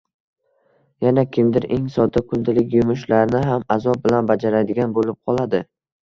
yana kimdir eng sodda kundalik yumushlarini ham azob bilan bajaradigan bo’lib qoladi